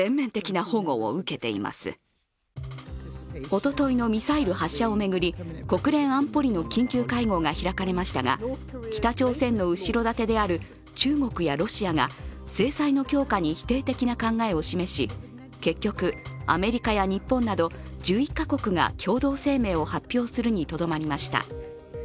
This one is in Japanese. おとといのミサイル発射を巡り国連安保理の緊急会合が開かれましたが、北朝鮮の後ろ盾である中国やロシアが制裁の強化に否定的な考えを示し結局、アメリカや日本など１１か国が共同声明を発表するにとどまりました。